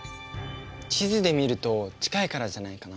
地図で見ると近いからじゃないかな？